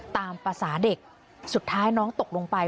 ตามภาษาเด็กสุดท้ายน้องตกลงไป